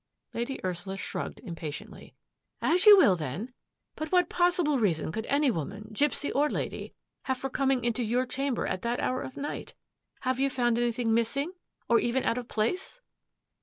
Lady Ursula shrugged impatiently. "As you will, then. But what possible reason could any woman, gipsy or lady, have for coming into your chamber at that hour of the night? Have you found anything missing, or even out of place?